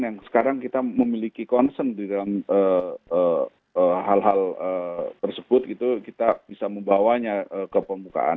yang sekarang kita memiliki concern di dalam hal hal tersebut itu kita bisa membawanya ke pembukaan